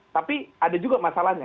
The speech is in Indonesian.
tapi ada juga masalahnya